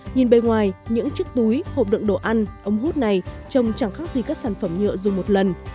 nhìn bên ngoài những chiếc túi hộp đựng đồ ăn ống hút này trồng chẳng khác gì các sản phẩm nhựa dùng một lần